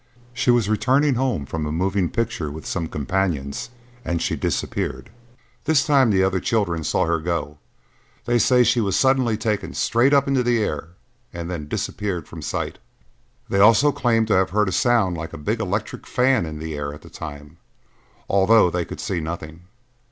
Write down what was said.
She was returning home from a moving picture with some companions and she disappeared. This time the other children saw her go. They say she was suddenly taken straight up into the air and then disappeared from sight. They, also claim to have heard a sound like a big electric fan in the air at the time, although they could see nothing."